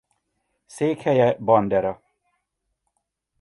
Székhelye Bandera.